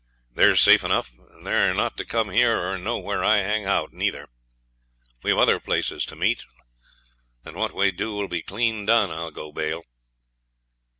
'They're safe enough, and they're not to come here or know where I hang out neither. We've other places to meet, and what we do 'll be clean done, I'll go bail.'